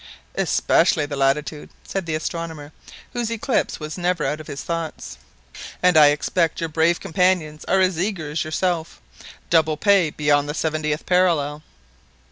"Especially the latitude," said the astronomer, whose eclipse was never out of his thoughts; "and I expect your brave companions are as eager as yourself. Double pay beyond the seventieth parallel!"